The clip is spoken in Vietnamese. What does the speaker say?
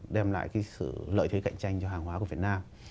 đem lại cái sự lợi thế cạnh tranh cho hàng hóa của việt nam